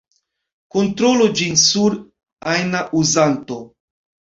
Kontrolu ĝin sur ajna uzanto.